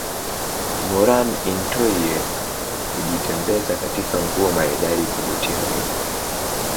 Moran intoyie hujitembeza katika nguo maridadi kuvutia wengi